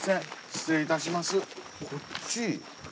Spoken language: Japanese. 失礼いたしますこっち？